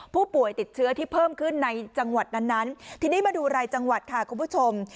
ผู้ป่วยติดเชื้อที่เพิ่มขึ้นในจังหวัดนั้นทีนี้มาดูรายจังหวัดค่ะคุณผู้ชม